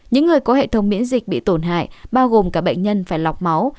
những người có hệ thống miễn dịch bị tổn hại bao gồm cả bệnh nhân phải lọc máu